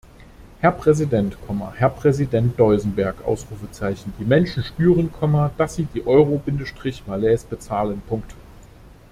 Herr Präsident, Herr Präsident Duisenberg! Die Menschen spüren, dass sie die Euro-Malaise bezahlen.